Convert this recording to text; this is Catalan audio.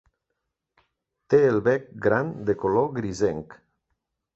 Té el bec gran de color grisenc.